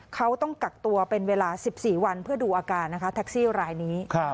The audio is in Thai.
เขาต้องกักตัวเป็นเวลา๑๔วันเพื่อดูอาการนะคะแท็กซี่รายนี้